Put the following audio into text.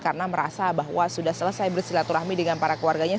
karena merasa bahwa sudah selesai bersilaturahmi dengan para keluarganya